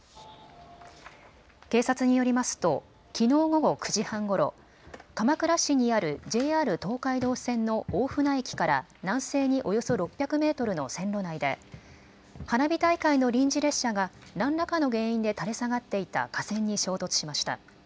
警察によりますときのう午後９時半ごろ、鎌倉市にあるＪＲ東海道線の大船駅から南西におよそ６００メートルの線路内で花火大会の臨時列車が何らかの原因で垂れ下がっていた架線に衝突しました。